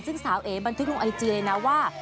ซึ่งสาวเอ๋บันทึกลงไอจีเลยนะว่า